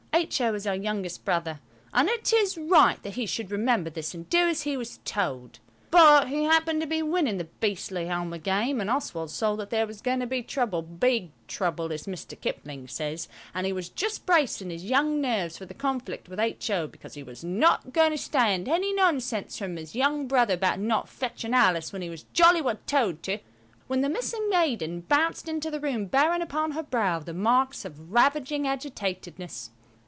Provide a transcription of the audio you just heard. H.O. is our youngest brother, and it is right that he should remember this and do as he was told. But he happened to be winning the beastly Halma game, and Oswald saw that there was going to be trouble–"big trouble," as Mr. Kipling says. And he was just bracing his young nerves for the conflict with H.O., because he was not going to stand any nonsense from his young brother about his not fetching Alice when he was jolly well told to, when the missing maiden bounced into the room bearing upon her brow the marks of ravaging agitatedness.